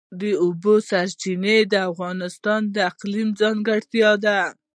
د اوبو سرچینې د افغانستان د اقلیم ځانګړتیا ده.